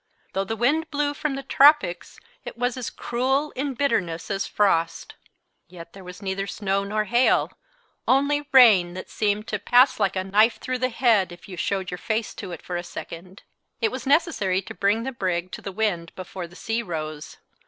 Though the wind blew from the tropics it was as cruel in bitterness as frost. Yet there was neither snow nor hail, only rain that seemed to pass like a knife through the head if you showed your face to it for a second. It was necessary to bring the brig to the wind before the sea rose.